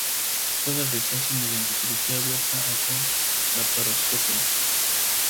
Puede realizarse mediante cirugía abierta o con laparoscopia.